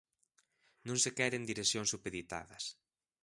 Non se queren direccións supeditadas.